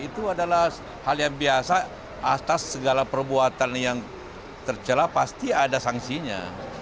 itu adalah hal yang biasa atas segala perbuatan yang tercelah pasti ada sanksinya